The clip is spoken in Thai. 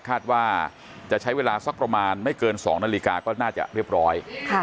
คาดว่าจะใช้เวลาสักประมาณไม่เกิน๒นาฬิกาก็น่าจะเรียบร้อย